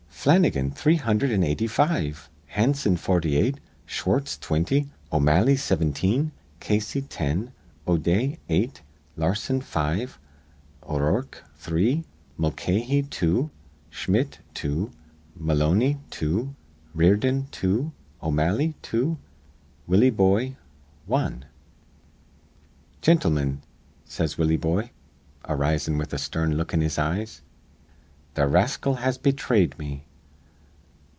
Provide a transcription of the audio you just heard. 'Flannigan, three hundherd an' eighty five; Hansen, forty eight; Schwartz, twinty; O'Malley, sivinteen; Casey, ten; O'Day, eight; Larsen, five; O'Rourke, three; Mulcahy, two; Schmitt, two; Moloney, two; Riordon, two; O'Malley, two; Willie Boye, wan.' 'Gintlemin,' says Willie Boye, arisin' with a stern look in his eyes, 'th' rascal has bethrayed me.